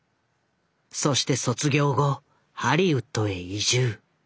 そして卒業後ハリウッドへ移住。